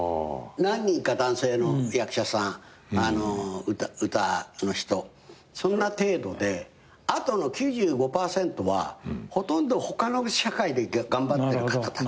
何人か男性の役者さん歌の人そんな程度であとの９５％はほとんど他の社会で頑張ってる方たち。